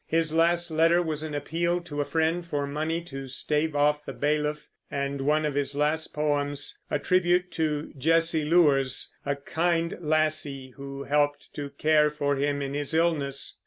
His last letter was an appeal to a friend for money to stave off the bailiff, and one of his last poems a tribute to Jessie Lewars, a kind lassie who helped to care for him in his illness.